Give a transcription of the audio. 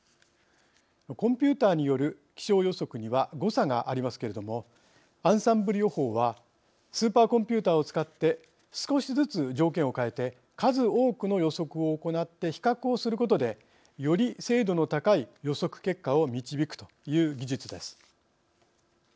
コンピューターによる気象予測には誤差がありますけれどもアンサンブル予報はスーパーコンピューターを使って少しずつ条件を変えて数多くの予測を行って比較をすることでより精度の高い予測結果を導くという技術です。